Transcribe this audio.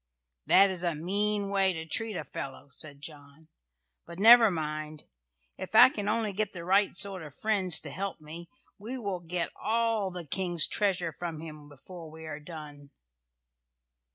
"That is a mean way to treat a fellow," said John. "But never mind! If I can only get the right sort of friends to help me we will get all the King's treasure from him before we are done."